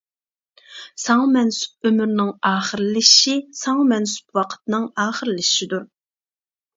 ساڭا مەنسۇپ ئۆمۈرنىڭ ئاخىرلىشىشى ساڭا مەنسۇپ ۋاقىتنىڭ ئاخىرلىشىشىدۇر.